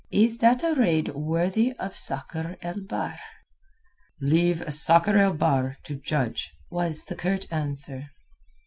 Is that a raid worthy of Sakr el Bahr?" "Leave Sakr el Bahr to judge," was the curt answer.